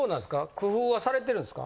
工夫はされてるんですか？